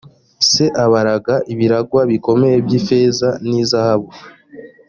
se abaraga ibiragwa bikomeye by ifeza n izahabu